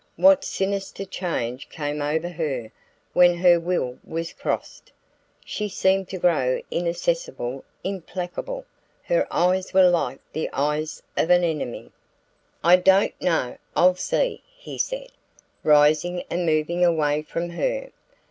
What sinister change came over her when her will was crossed? She seemed to grow inaccessible, implacable her eyes were like the eyes of an enemy. "I don't know I'll see," he said, rising and moving away from her.